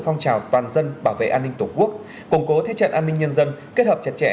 phong trào toàn dân bảo vệ an ninh tổ quốc củng cố thế trận an ninh nhân dân kết hợp chặt chẽ